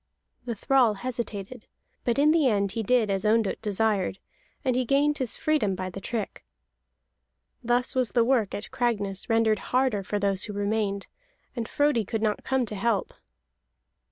The thrall hesitated, but in the end he did as Ondott desired, and he gained his freedom by the trick. Thus was the work at Cragness rendered harder for those who remained, and Frodi could not come to help.